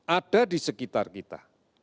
ada di sekitar kita